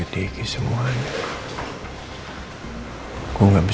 yang ada di dalam katanya kamu